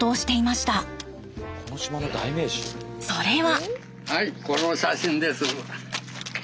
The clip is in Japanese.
それは。